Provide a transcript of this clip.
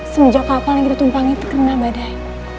semenjak kapal yang ditumpang itu kena badai